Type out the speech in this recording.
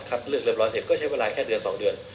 เลือกเรียบร้อยเสร็จก็ใช้เวลาแค่เดือน๒เดือน